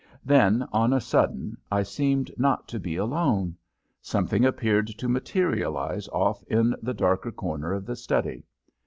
Then, on a sudden, I seemed not to be alone. Something appeared to materialize off in the darker corner of the study.